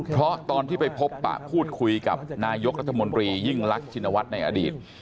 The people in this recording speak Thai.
เพราะตอนที่ไปพบปะพูดคุยกับนายกรัฐมนตรียิ่งรักชินวัฒน์ในอดีต